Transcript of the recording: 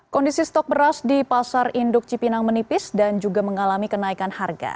kondisi stok beras di pasar induk cipinang menipis dan juga mengalami kenaikan harga